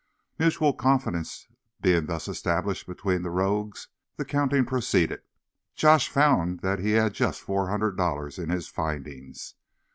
Mutual confidence being thus established between the rogues, the counting proceeded. Josh found that he had just four hundred dollars in his "findings."